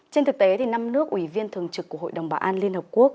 trên thực tế năm nước ủy viên thường trực của hội đồng bảo an liên hợp quốc